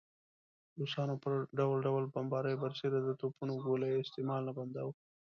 روسانو پر ډول ډول بمباریو برسېره د توپونو ګولیو استعمال نه بنداوه.